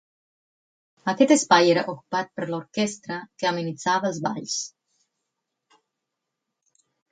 Aquest espai era ocupat per l'orquestra que amenitzava els balls.